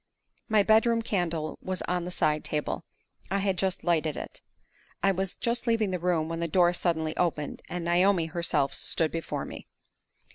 My bedroom candle was on the side table; I had just lighted it. I was just leaving the room, when the door suddenly opened, and Naomi herself stood before me!